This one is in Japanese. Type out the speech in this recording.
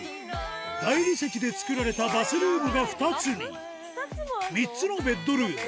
大理石で作られたバスルームが２つに、３つのベッドルーム。